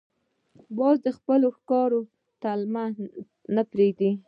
باز د خپل ښکار طمع نه پرېږدي